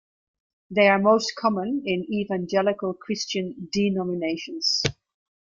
They are most common in Evangelical Christian denominations.